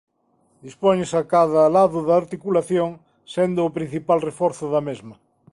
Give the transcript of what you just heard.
Dispóñense a cada lado da articulación sendo o principal reforzo da mesma.